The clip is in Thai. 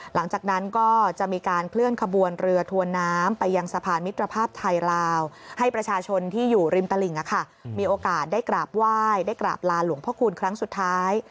หลังจากนั้นก็จะมีการเคลื่อนขบวนเรือทวนน้ำไปยังสะพานมิตรภาพไทยลาวให้ประชาชนที่อยู่ริมตลิ่งมีโอกาสได้กราบไหว้ได้กราบลาหลวงพระคูณครั้งสุดท้าย